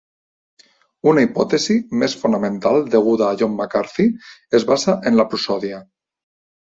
Una hipótesi més fonamental deguda a John McCarthy es basa en la prosòdia.